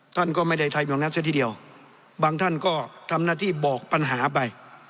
ท่านก็ไม่ได้ทำตรงนั้นซะทีเดียวบางท่านก็ทำหน้าที่บอกปัญหาไป